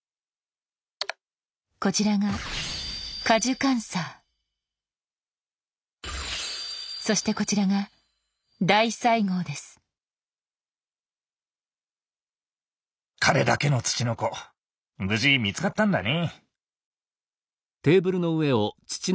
こちらがそしてこちらが彼だけのツチノコ無事見つかったんだね。